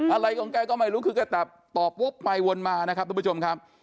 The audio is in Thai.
อะไรของแกก็ไม่รู้คือกระตับตอบวกไปวนมานะครับทุกผู้ชมครับ